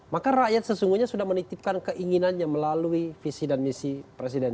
maka rakyat sesungguhnya sudah menitipkan keinginannya melalui visi dan misi presiden